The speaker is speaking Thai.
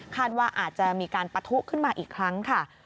ว่าอาจจะมีการปะทุขึ้นมาอีกครั้งค่ะ